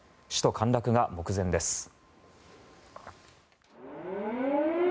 首都陥落が目前です。